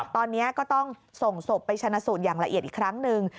ตอนนี้ก็ต้องส่งศพไปชนะสูตรอย่างละเอียดอีกครั้งหนึ่ง